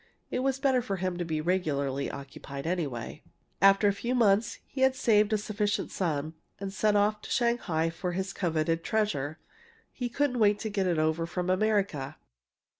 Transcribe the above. It was better for him to be regularly occupied, anyway. "After a few months he had saved a sufficient sum, and sent off to Shanghai for his coveted treasure he couldn't wait to get it over from America!